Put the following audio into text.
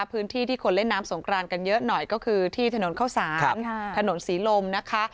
พื้นที่ที่คนเล่นน้ำสงกรานกันเยอะหน่อยก็คือที่ถนนเข้าสารถนนศรีลมนะคะ